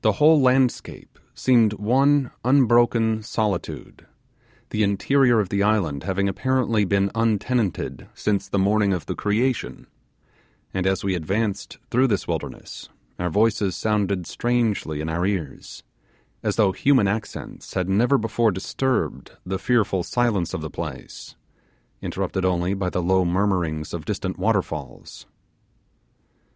The whole landscape seemed one unbroken solitude, the interior of the island having apparently been untenanted since the morning of the creation; and as we advanced through this wilderness, our voices sounded strangely in our ears, as though human accents had never before disturbed the fearful silence of the place, interrupted only by the low murmurings of distant waterfalls.